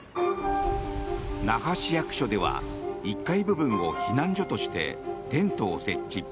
那覇市役所では１階部分を避難所としてテントを設置。